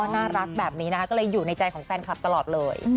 น่ารักแบบนี้นะคะก็เลยอยู่ในใจของแฟนคลับตลอดเลย